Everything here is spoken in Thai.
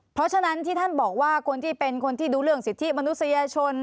เพราะฉะนั้นที่ท่านบอกว่าคนที่เป็นคนที่ดูเรื่องสิทธิมนุษยชน